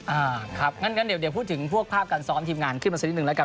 อ่าครับงั้นเดี๋ยวพูดถึงพวกภาพการซ้อมทีมงานขึ้นมาสักนิดหนึ่งแล้วกัน